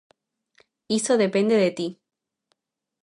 Iso depende de ti.